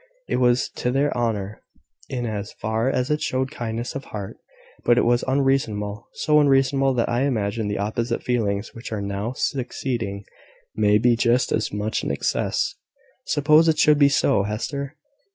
It was to their honour in as far as it showed kindness of heart, but it was unreasonable: so unreasonable that I imagine the opposite feelings which are now succeeding may be just as much in excess. Suppose it should be so, Hester?"